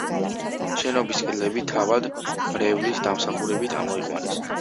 შენობის კედლები თავად მრევლის დამსახურებით ამოიყვანეს.